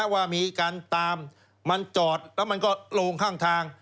ว่ามีการตามมันจอดแล้วมันก็โลงข้างทาง